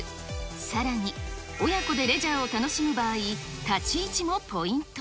さらに、親子でレジャーを楽しむ場合、立ち位置もポイント。